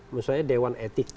misalnya dewan etik